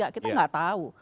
kita nggak tahu